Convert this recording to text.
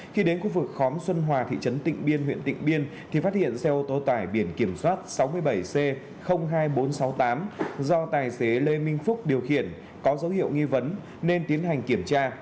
khi đến khu vực khóm xuân hòa thị trấn tịnh biên huyện tịnh biên thì phát hiện xe ô tô tải biển kiểm soát sáu mươi bảy c hai nghìn bốn trăm sáu mươi tám do tài xế lê minh phúc điều khiển có dấu hiệu nghi vấn nên tiến hành kiểm tra